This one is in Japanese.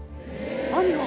何が？